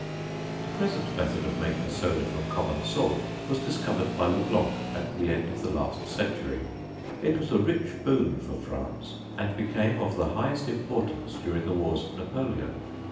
The present method of making soda from common salt was discovered by Le Blanc at the end of the last century. It was a rich boon for France, and became of the highest importance during the wars of Napoleon.